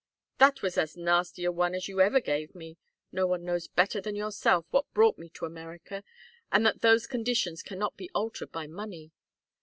"That was as nasty a one as you ever gave me! No one knows better than yourself what brought me to America, and that those conditions cannot be altered by money.